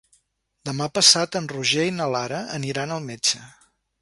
Demà passat en Roger i na Lara aniran al metge.